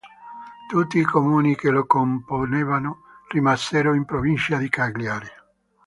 Tutti i comuni che lo componevano rimasero in provincia di Cagliari.